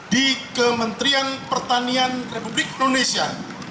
di kementerian pertanian republik indonesia